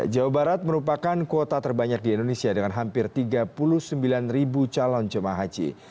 jawa barat merupakan kuota terbanyak di indonesia dengan hampir tiga puluh sembilan ribu calon jemaah haji